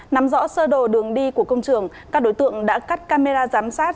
nắm rõ sơ đồ đường đi của công trường các đối tượng đã cắt camera giám sát